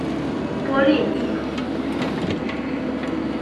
波利尼。